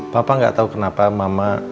papa gak tau kenapa mama